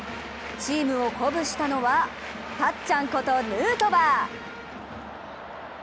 チームを鼓舞したのはたっちゃんことヌートバー。